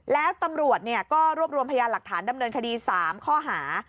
แล้วตำรวจก็รวบรวมพยานหลักฐานดำเนินคดี๓ข้อหา